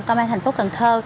công an thành phố cần thơ